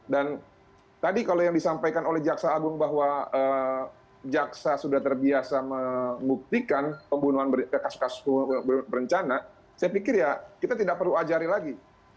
tadi kalau yang disampaikan oleh jaksa agung bahwa jaksa sudah terbiasa membuktikan pembunuhan kasus kasus berencana saya pikir ya kita tidak perlu ajarin lagi